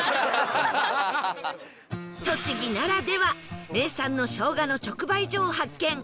栃木ならでは名産の生姜の直売所を発見